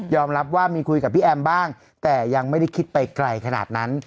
รับว่ามีคุยกับพี่แอมบ้างแต่ยังไม่ได้คิดไปไกลขนาดนั้น